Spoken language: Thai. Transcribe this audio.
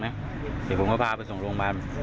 เนื่องจากผมก็พาไปส่งโรงพยาบาล